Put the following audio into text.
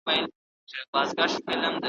یو ناڅاپه وو کوهي ته ور لوېدلې `